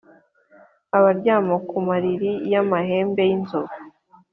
abaryama ku mariri y’amahembe y’inzovu